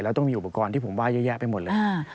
แล้วต้องมีอุปกรณ์ที่ผมว่าเยอะแยะไปหมดเลย